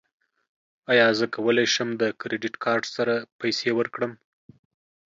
ایا زه کولی شم د کریډیټ کارت سره پیسې ورکړم؟